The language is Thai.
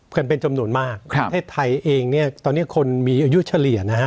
กันเป็นจำนวนมากครับประเทศไทยเองเนี่ยตอนนี้คนมีอายุเฉลี่ยนะฮะ